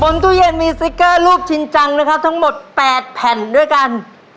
ตู้เย็นมีสติ๊กเกอร์รูปชินจังนะครับทั้งหมด๘แผ่นด้วยกัน